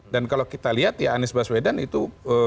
dan kalau kita lihat ya anies baswedan itu